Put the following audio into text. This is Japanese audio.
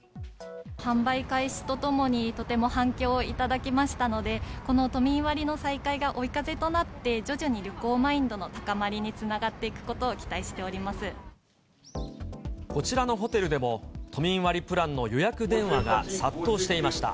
販売開始とともに、とても反響をいただきましたので、この都民割の再開が追い風となって、徐々に旅行マインドの高まりにつながっていくことを期待しておりこちらのホテルでも、都民割プランの予約電話が殺到していました。